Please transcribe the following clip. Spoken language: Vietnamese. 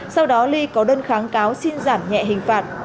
sau đó ly có đơn kháng cáo xin giảm nhẹ hình phạt